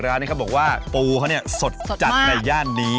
ร้านนี้เขาบอกว่าปูเขาเนี่ยสดจัดในย่านนี้